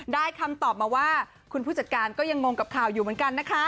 คำตอบมาว่าคุณผู้จัดการก็ยังงงกับข่าวอยู่เหมือนกันนะคะ